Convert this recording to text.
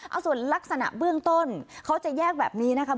เอาส่วนลักษณะเบื้องต้นเขาจะแยกแบบนี้นะคะ